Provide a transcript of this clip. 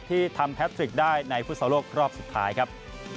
ที่ทำแพทริกได้ในฟุตซอลโลกรอบสุดท้ายครับ